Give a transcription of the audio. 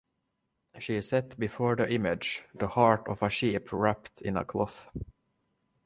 She set before the image the heart of a sheep wrapped in a cloth.